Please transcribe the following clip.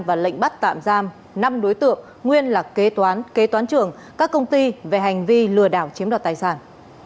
và lệnh bắt tạm giam năm đối tượng nguyên là kế toán kế toán trưởng các công ty về hành vi lừa đảo chiếm đoạt tài sản